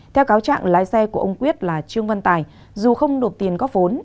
theo cáo trạng lái xe của ông quyết là trương văn tài dù không nộp tiền góp vốn